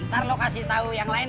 entar lo kasih tau yang lain ya